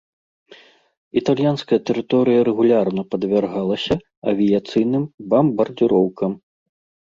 Італьянская тэрыторыя рэгулярна падвяргалася авіяцыйным бамбардзіроўкам.